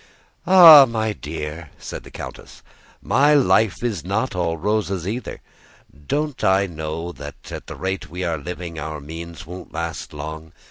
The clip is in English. "Ah, my dear," said the countess, "my life is not all roses either. Don't I know that at the rate we are living our means won't last long?